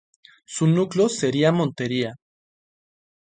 Su núcleo sería Montería.